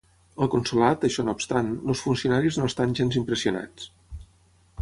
Al consolat, això no obstant, els funcionaris no estan gens impressionats.